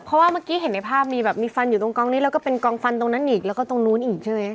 เพราะว่าเมื่อกี้เห็นในภาพมีแบบมีฟันอยู่ตรงกองนี้แล้วก็เป็นกองฟันตรงนั้นอีกแล้วก็ตรงนู้นอีกใช่ไหม